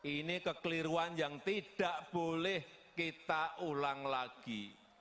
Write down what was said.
ini kekeliruan yang tidak boleh kita ulang lagi